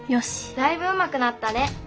だいぶうまくなったね。